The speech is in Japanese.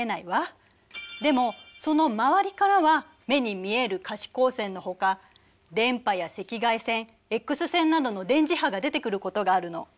でもその周りからは目に見える可視光線のほか電波や赤外線Ｘ線などの電磁波が出てくることがあるの。